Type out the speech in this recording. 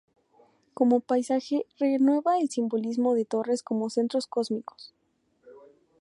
Como paisaje, renueva el simbolismo de torres como centros cósmicos.